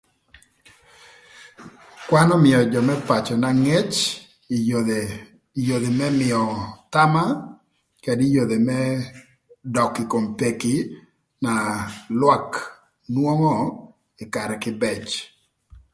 Kwan ömïö jö më pacöna ngec ï yodhe, ï yodhe më mïö thama këdï ï yodhe më dök ï kom peki ma lwak nwongo ï karë kïbëc.